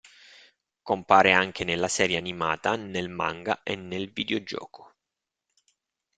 Compare anche nella serie animata, nel manga e nel videogioco.